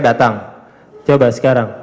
datang coba sekarang